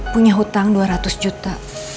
punya hutang dua ratus juta